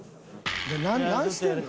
何してんの？